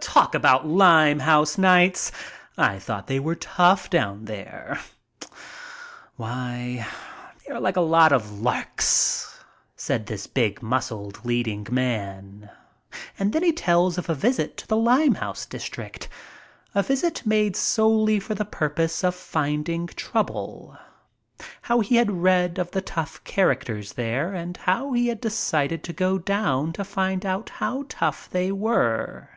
"Talk about Limehouse nights. I thought they were tough down there. Why, they are like a lot of larks!" said this big muscled leading man. And then he tells of a visit to the Limehouse district — a visit made solely for the purpose of finding trouble. How he had read of the tough characters there and how he had decided to go down to find out how tough they were.